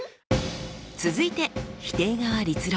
続いて否定側立論。